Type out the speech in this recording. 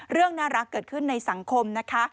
เรื่องน่ารักเกิดขึ้นในสังคมนะคะ